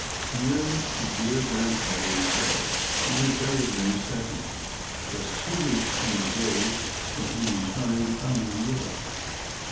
Dear, dear Grandfather is dead. He was buried May 2, just two weeks from the day that he returned from New York.